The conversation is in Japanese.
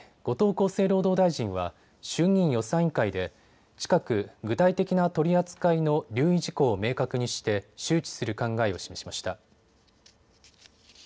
後藤厚生労働大臣は衆議院予算委員会で近く具体的な取り扱いの留意事項を明確にして周知する考えを示しました。